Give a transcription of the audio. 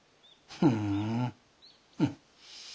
ふん。